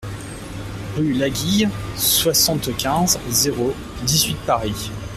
RUE LAGILLE, soixante-quinze, zéro dix-huit Paris